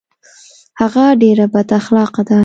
هغه ډیر بد اخلاقه ده